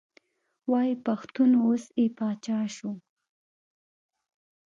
وایي پښتون اوس یې پاچا شو.